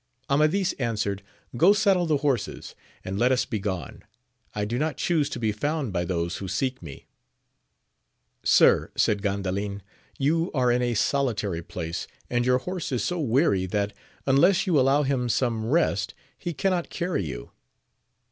Amadis answered. Go saddle the horses, and let us begone : I do not chuse to be found by those who seek me. Sir, said Gandalin, you are in a solitary place, and your horse is so weary that, unless you allow him some rest, he cannot carry you.